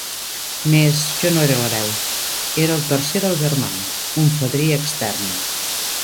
Mes, jo no era l'hereu; era el tercer dels germans, un fadrí extern.